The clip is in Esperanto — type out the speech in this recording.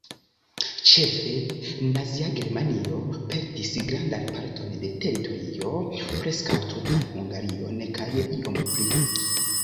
Ĉefe Nazia Germanio perdis grandan parton de teritorio, preskaŭ tutan Hungarion kaj iom pli.